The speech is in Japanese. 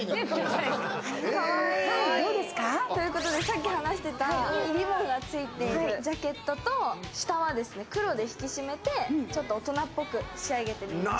さっき話していたリボンがついているジャケットと下は黒で引き締めて、ちょっと大人っぽく仕上げてみました。